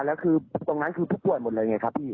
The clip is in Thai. แล้วคือตรงนั้นคือผู้ป่วยหมดเลยไงครับพี่